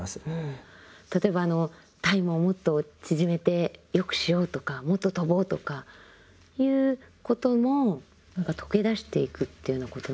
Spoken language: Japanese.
例えばあのタイムをもっと縮めて良くしようとかもっと跳ぼうとかいうことも何か溶け出していくというようなことなんですか？